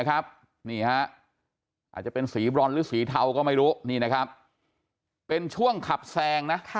อาจจะเป็นสีบรอนด์หรือสีเทาก็ไม่รู้เป็นช่วงขับแซง